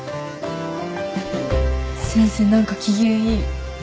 先生何か機嫌いい。